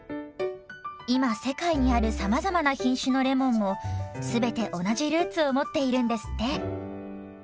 今世界にあるさまざまな品種のレモンも全て同じルーツを持っているんですって。